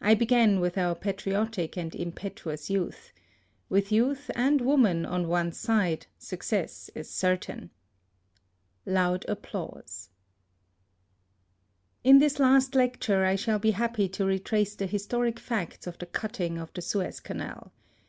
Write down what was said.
I began with our patriotic and impetuous youth ; A 2 HISTORY OF with youth and woman on one's side, suc cess is certain. (Loud applause.) In this last lecture I shall be happy to retrace the historic facts of the cutting of the Suez Canal.